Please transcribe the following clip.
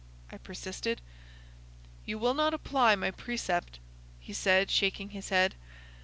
I persisted. "You will not apply my precept," he said, shaking his head.